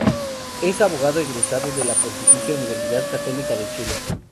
Es abogado egresado de la Pontificia Universidad Católica de Chile.